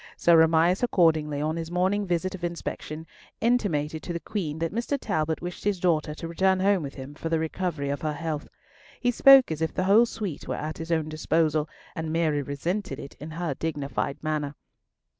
Sir Amias accordingly, on his morning visit of inspection, intimated to the Queen that Mr. Talbot wished his daughter to return home with him for the recovery of her health. He spoke as if the whole suite were at his own disposal, and Mary resented it in her dignified manner.